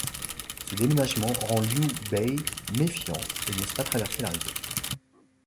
Ce déménagement rend Liu Bei méfiant et il n'ose pas traverser la rivière.